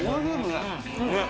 ねっ。